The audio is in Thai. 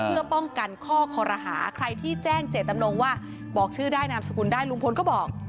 เพื่อป้องกันข้อคอรหาใครที่แจ้งเจตจำนงว่าบอกชื่อได้นามสกุลได้ลุงพลก็บอก